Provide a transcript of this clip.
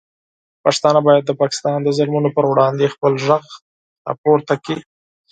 پښتانه باید د پاکستان د ظلمونو پر وړاندې خپل غږ راپورته کړي.